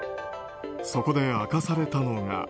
そこで明かされたのが。